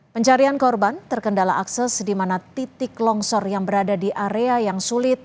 pencarian korban terkendala akses di mana titik longsor yang berada di area yang sulit